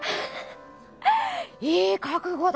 いい覚悟だ！